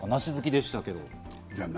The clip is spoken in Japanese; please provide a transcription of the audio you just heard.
梨好きでしたけど。